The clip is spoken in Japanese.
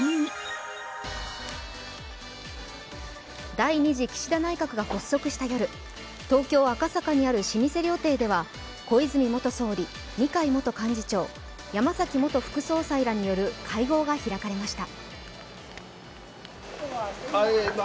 第２次岸田内閣が発足した夜、東京・赤坂にある老舗料亭では小泉元総理、二階元幹事長、山崎元副総裁らによる会合が開かれました。